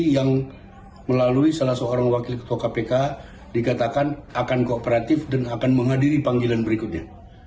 yang melalui salah seorang wakil ketua kpk dikatakan akan kooperatif dan akan menghadiri panggilan berikutnya